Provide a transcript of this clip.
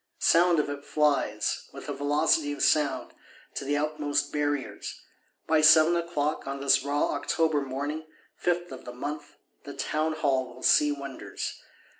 Sound of it flies, with a velocity of sound, to the outmost Barriers. By seven o'clock, on this raw October morning, fifth of the month, the Townhall will see wonders.